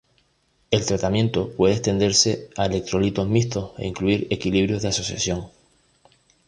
El tratamiento puede extenderse a electrolitos mixtos e incluir equilibrios de asociación.